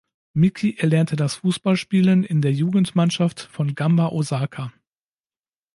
Miki erlernte das Fußballspielen in der Jugendmannschaft von Gamba Osaka.